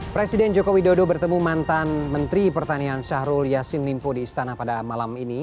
presiden joko widodo bertemu mantan menteri pertanian syahrul yassin limpo di istana pada malam ini